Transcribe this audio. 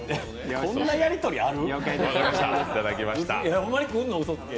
こんなやり取りある？